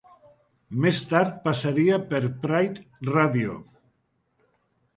Més tard passaria per Pride Radio.